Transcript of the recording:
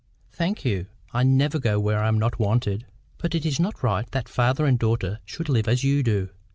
"Thank you. I never go where I am not wanted." "But it is not right that father and daughter should live as you do.